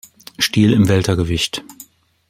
Stil im Weltergewicht.